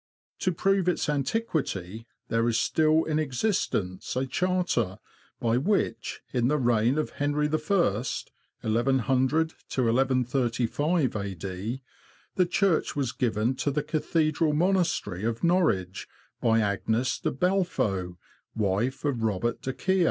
To prove its antiquity, there is still in existence a charter, by which, in the reign of Henry I. (iioo to 1135 A.D.), the church was given to the Cathedral Monastery of Norwich, by Agnes de Belfo, wife of Robert de Kia.